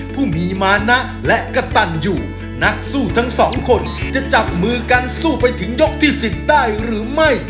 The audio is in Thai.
ผู้มีมานะและกระตันอยู่นักสู้ทั้งสองคนจะจับมือกันสู้ไปถึงยกที่สิบได้หรือไม่